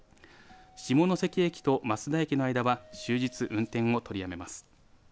下関駅と益田駅の間は終日運転を取りやめます。